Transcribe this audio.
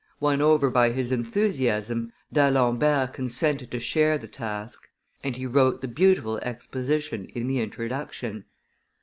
Won over by his enthusiasm, D'Alembert consented to share the task; and he wrote the beautiful exposition in the introduction.